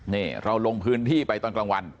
นี่เราลงพื้นที่ไปตอนกลางวัน